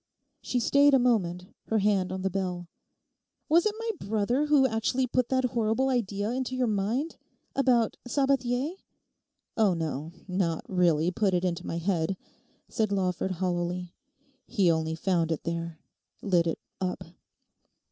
She stayed a moment, her hand on the bell. 'Was it my brother who actually put that horrible idea into your mind?—about Sabathier?' 'Oh no, not really put it into my head,' said Lawford hollowly. 'He only found it there; lit it up.